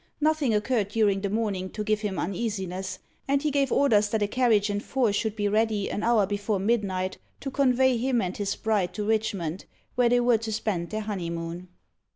Nothing occurred during the morning to give him uneasiness, and he gave orders that a carriage and four should be ready an hour before midnight, to convey him and his bride to Richmond, where they were to spend their honeymoon.